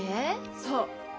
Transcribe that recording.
そう。